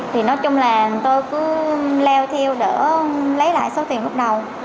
thì nói chung là tôi cứ leo theo để lấy lại số tiền lúc đầu